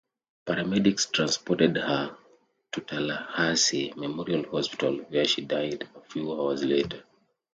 Paramedics transported her to Tallahassee Memorial Hospital, where she died a few hours later.